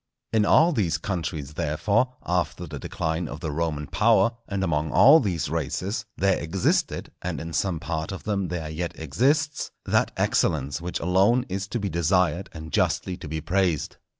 In all these countries, therefore, after the decline of the Roman power, and among all these races, there existed, and in some part of them there yet exists, that excellence which alone is to be desired and justly to be praised.